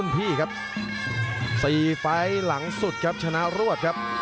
พี่ครับ๔ไฟล์หลังสุดครับชนะรวดครับ